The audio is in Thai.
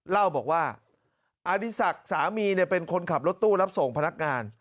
เล่าบอกว่าอดีศักดิ์สามีเป็นคนขับรถตู้รับส่งพนักงาน